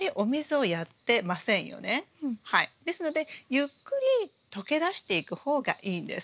ですのでゆっくり溶け出していく方がいいんです。